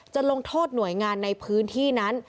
ลงโทษหน่วยงานในพื้นที่นั้น